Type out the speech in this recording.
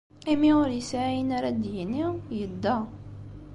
Imi ur yesɛi ayen ara d-yini, yedda.